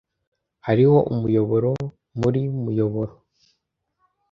Hariho umuyoboro muri muyoboro.